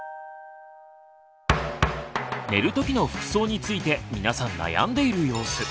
寝る時の服装について皆さん悩んでいる様子。